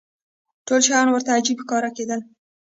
ټول شیان ورته عجیبه ښکاره کېدل.